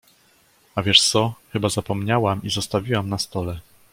A wiesz co, chyba zapomniałam i zostawiłam na stole.